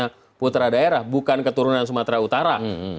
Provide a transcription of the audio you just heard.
pertama ini purtera daerah bukan keturunan sumatera utara